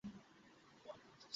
সে তোর মেয়ের বয়সী?